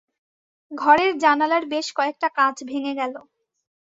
ঘরের জানালার বেশ কয়েকটা কাঁচ ভেঙে গেল।